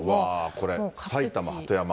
これ、埼玉・鳩山。